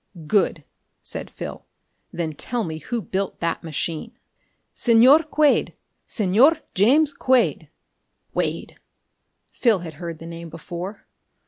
"Good," said Phil. "Then tell me who built that machine?" "Señor Quade. Señor James Quade." "Quade!" Phil had heard the name before.